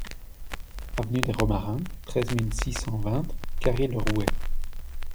Avenue des Romarins, treize mille six cent vingt Carry-le-Rouet